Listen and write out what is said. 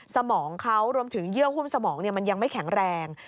สมองเขารวมถึงเยื่อหุ้มสมองมันยังไม่แข็งแรง